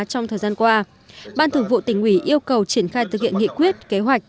trong thời gian qua ban thường vụ tỉnh ủy yêu cầu triển khai thực hiện nghị quyết kế hoạch